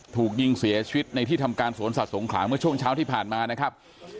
ถูกยิงเสียชีวิตในที่ทำการสวนสัตว์สงขลาเมื่อช่วงเช้าที่ผ่านมานะครับ